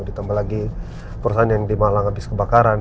ditambah lagi perusahaan yang dimalang abis kebakaran